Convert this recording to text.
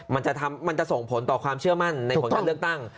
มันจะส่งผลต่อความเชื่อมั่นในผลการเลือกตั้ง